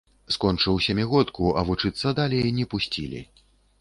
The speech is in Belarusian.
Скончыў сямігодку, а вучыцца далей не пусцілі.